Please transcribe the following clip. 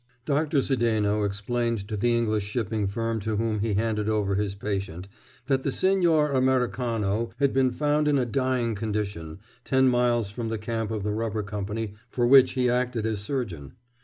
Doctor Sedeno explained to the English shipping firm to whom he handed over his patient that the Señor Americano had been found in a dying condition, ten miles from the camp of the rubber company for which he acted as surgeon.